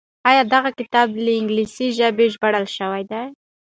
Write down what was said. آيا دغه کتاب له انګليسي ژبې ژباړل شوی دی؟